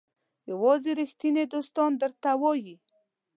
یوازې ریښتیني دوستان درته وایي.